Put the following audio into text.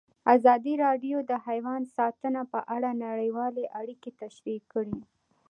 ازادي راډیو د حیوان ساتنه په اړه نړیوالې اړیکې تشریح کړي.